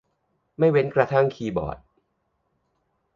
ไม่เว้นกระทั่งคีย์บอร์ด